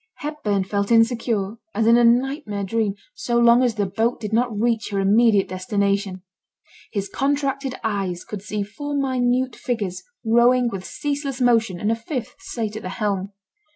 Hepburn felt insecure, as in a nightmare dream, so long as the boat did not reach her immediate destination. His contracted eyes could see four minute figures rowing with ceaseless motion, and a fifth sate at the helm.